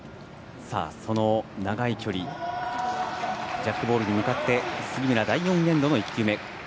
長い距離ジャックボールに向かって杉村、第４エンドの１球目。